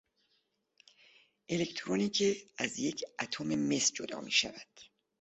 الکترونی که از یک اتم مس جدا میشود